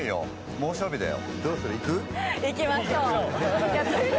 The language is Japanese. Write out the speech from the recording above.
猛暑日だよ。